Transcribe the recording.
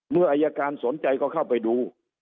เมื่ออายการสนใจก็เข้าไปดู